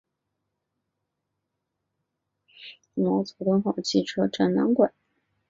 机车经修复后存放于丰台机务段内的毛泽东号机车展览馆。